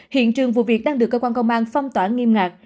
hiện trường vụ việc đang được cơ quan công an phong tỏa nghiêm ngặt